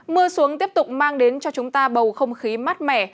mưa xuống tiếp tục mang đến cho chúng ta bầu không khí mát mẻ